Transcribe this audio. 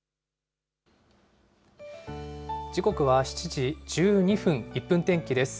時刻は７時１２分、１分天気です。